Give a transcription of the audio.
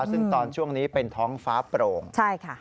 ซึ่งตอนช่วงนี้เป็นท้องฟ้าโปร่งใช่ค่ะ